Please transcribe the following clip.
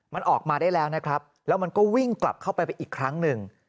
มันออกมาได้แล้วนะครับแล้วมันก็วิ่งกลับเข้าไปไปอีกครั้งหนึ่ง